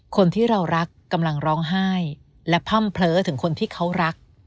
คนที่เรารักกำลังร้องไห้และพ่ำเพลอถึงคนที่เขารัก